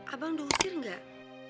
abang diusir gak